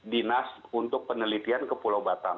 dinas untuk penelitian ke pulau batam